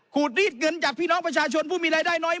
รีดเงินจากพี่น้องประชาชนผู้มีรายได้น้อย